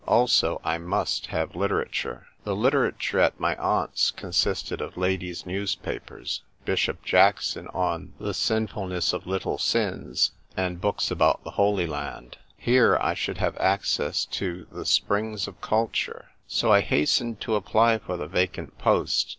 Also, I must have literature. The literature at my aunt's consisted of ladies' newspapers, Bishop Jackson on "The Sinfulness of Little Sins," and books about the Holy Land. Here, I should have access to the Springs of Cul ture. So I hastened to apply for the vacant post.